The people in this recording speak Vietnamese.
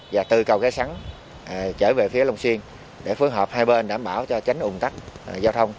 và từ cầu cái sắn trở về phía long xuyên để phối hợp hai bên đảm bảo cho tránh ủng tắc giao thông